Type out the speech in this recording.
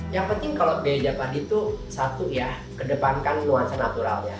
yang penting kalau biaya japan itu satu ya kedepankan nuansa naturalnya